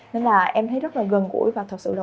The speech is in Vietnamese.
nên là em thấy rất là gần gũi và thật sự là